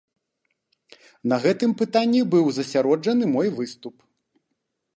На гэтым пытанні і быў засяроджаны мой выступ.